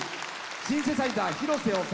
シンセサイザー、広瀬修。